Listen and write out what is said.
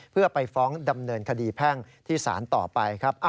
เพื่อไปฟ้องดำเนินคดีแพ่งที่ศาลต่อไปครับ